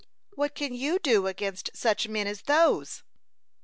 "What can you do against such men as those?"